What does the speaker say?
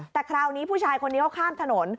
แต่คราวนี้ผู้ชายคนนี้เขาข้ามถนน